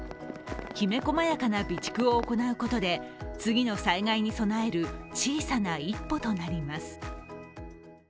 きめ細やかな備蓄を行うことで次の災害に備える小さな一歩となります。